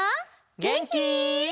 げんき？